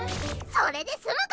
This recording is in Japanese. それで済むか！